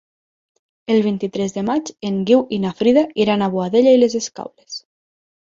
El vint-i-tres de maig en Guiu i na Frida iran a Boadella i les Escaules.